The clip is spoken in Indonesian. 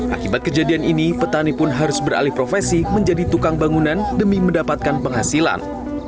akibat kejadian ini petani pun harus beralih profesi menjadi tukang bangunan demi mendapatkan penghasilan